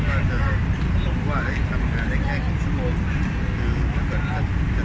แล้วก็หยั่งให้เขาที่สำคัญ